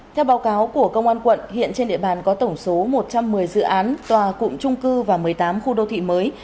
theo báo cáo của công an quận hiện trên địa bàn có tổng số một trăm một mươi dự án tòa cụm trung cư và một mươi tám khu đô thị mới